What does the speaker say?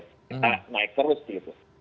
kita naik terus gitu